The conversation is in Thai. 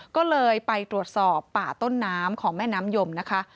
ก็เลยไปตรวจสอบป่าต้นน้ำของแม่น้ำยมนะคะ